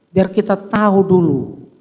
biar kita tahu dulu